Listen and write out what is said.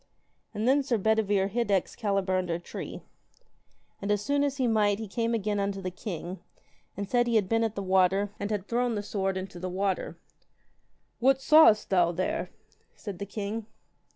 And then Sir Bedivere hid Excalibur under a tree. And as soon as he might he came again unto the king, and said he had been at the water, and had thrown the sword into the water. What sawest thou there? said the king.